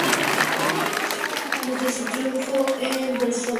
Desde su triunfo en Varsovia, Zak desarrolló su carrera concertística a gran escala.